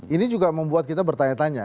ini juga membuat kita bertanya tanya